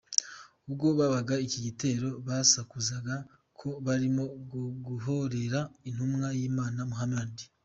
Ubwo bagabaga iki gitero basakuzaga ko barimo guhorera Intumwa y’Imana Muhammad.